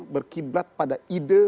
berkiblat pada ide